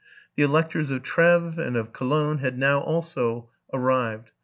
'The Elect ors of Treves and of Cologne had now also arrived.